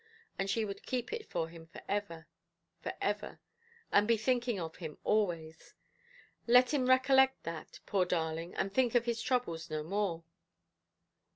And she would keep it for him for ever, for ever; and be thinking of him always. Let him recollect that, poor darling, and think of his troubles no more.